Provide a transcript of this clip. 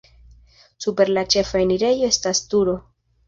Super la ĉefa enirejo estas turo.